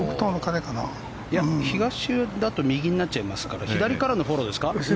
東だと右になっちゃいますから左からのフォローですか？